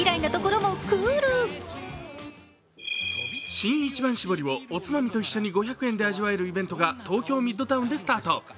新一番搾りをおつまみと一緒に５００円で味わえるイベントが東京ミッドタウンでスタート。